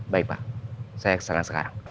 baik pak saya kesana sekarang